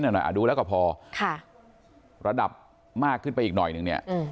หน่อยดูแล้วก็พอค่ะระดับมากขึ้นไปอีกหน่อยนึงเนี่ย